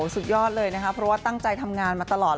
สุดยอดเลยนะคะเพราะว่าตั้งใจทำงานมาตลอด